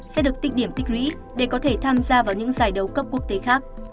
sẽ được tích điểm tích lũy để có thể tham gia vào những giải đấu cấp quốc tế khác